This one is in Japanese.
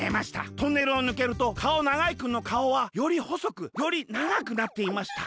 トンネルをぬけるとかおながいくんのかおはよりほそくよりながくなっていました。